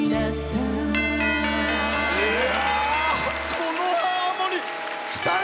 このハーモニー！